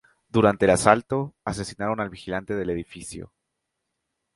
Durante el asalto, asesinaron al vigilante del edificio.